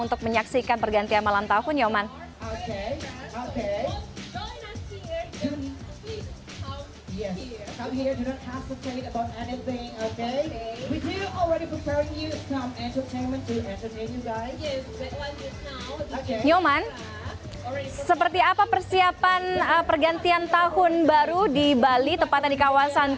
untuk menyaksikan pergantian malam tahun nyoman